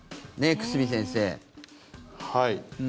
久住先生。